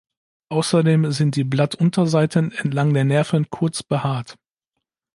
Außerdem sind die Blattunterseiten entlang der Nerven kurz behaart.